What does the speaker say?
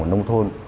ở nông thôn